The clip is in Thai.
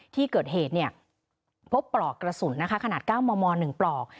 ที่เกิดเหตุพบปลอกกระสุนนะคะขนาด๙มม๑ปลอก